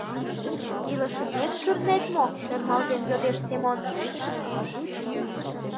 — Илышынек кӱрнет мо? — ӧрмалген йодеш Семон.